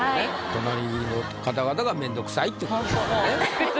隣の方々がめんどくさいってことですよね。